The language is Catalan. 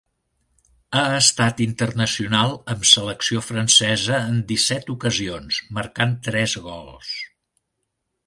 Ha estat internacional amb selecció francesa en disset ocasions, marcant tres gols.